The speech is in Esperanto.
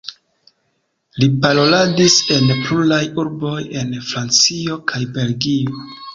Li paroladis en pluraj urboj en Francio kaj Belgio.